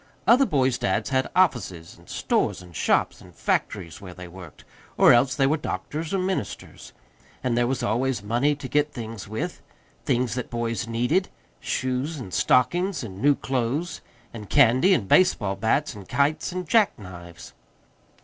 Other boys' dads had offices and stores and shops and factories where they worked, or else they were doctors or ministers; and there was always money to get things with things that boys needed; shoes and stockings and new clothes, and candy and baseball bats and kites and jack knives.